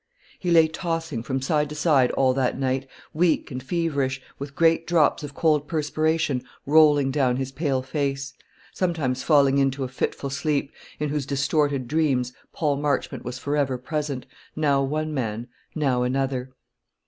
He lay tossing from side to side all that night, weak and feverish, with great drops of cold perspiration rolling down his pale face, sometimes falling into a fitful sleep, in whose distorted dreams Paul Marchmont was for ever present, now one man, now another.